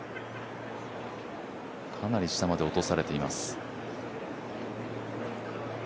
かなり下まで落とされています。